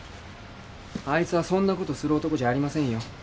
あいつはそんなことする男じゃありませんよ。